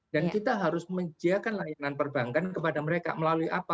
dan kita harus menjaga layanan perbankan kepada mereka melalui apa